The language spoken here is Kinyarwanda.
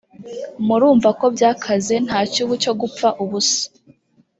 murumva ko byakaze nta cyubu cyo gupfa ubusa